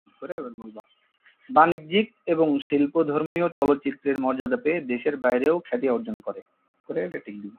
বাণিজ্যিক এবং শিল্পধর্মীয় চলচ্চিত্রের মর্যাদা পেয়ে দেশের বাইরেও খ্যাতি অর্জন করে।